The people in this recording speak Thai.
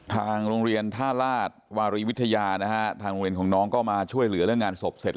ทางโรงเรียนท่าราชวารีวิทยานะฮะทางโรงเรียนของน้องก็มาช่วยเหลือเรื่องงานศพเสร็จ